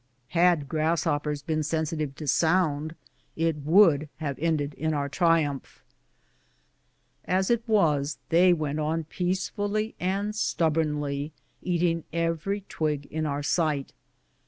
Had grasshoppers been sensitive to sound, it would have ended in our triumph. As it was, they went on peacefully and stub bornly, eating every twig in our sight.